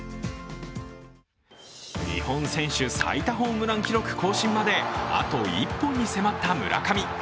日本選手最多ホームラン記録更新まであと１本に迫った村上。